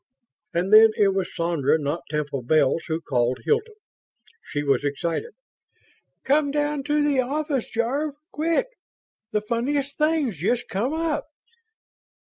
And then it was Sandra, not Temple Bells, who called Hilton. She was excited. "Come down to the office, Jarve, quick! The funniest thing's just come up!"